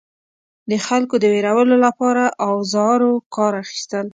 د خلکو د ویرولو لپاره اوزارو کار اخیستل.